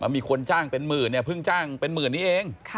มีคนจ้างเป็นหมื่นเนี่ยเพิ่งจ้างเป็นหมื่นนี้เอง